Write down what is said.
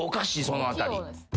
その辺り。